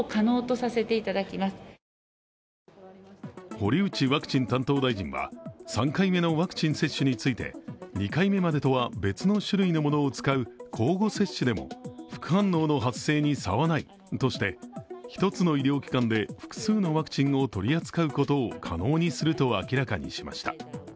堀内ワクチン担当大臣は３回目のワクチン接種について２回目までとは別の種類のものを使う交互接種でも副反応の発生に差はないとして１つの医療機関で複数のワクチンを取り扱うことを可能にすると明らかにしました。